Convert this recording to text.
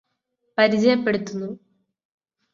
പരിചയപ്പെടുത്തുന്നു